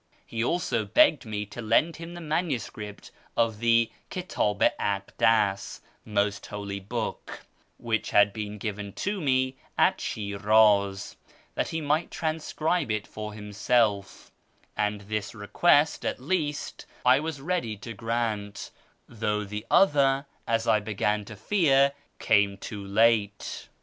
He also begged me to lend him the manuscript of the Kitdl i Akdas (" Most Holy Book") which had been given to me at Shiraz, that he might transcribe it for himself, and this request, at least, I was ready to grant, though the other, as I began to fear, came too late.